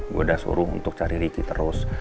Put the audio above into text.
gue udah suruh untuk cari ricky terus